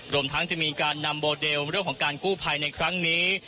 รวมทั้งจะมีการนำโมเดลเรื่องของการกู้ภัยในครั้งนี้